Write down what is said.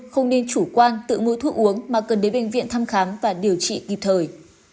không nên chủ quan tự mua thuốc uống mà cần đến bệnh viện thăm khám và điều trị kịp thời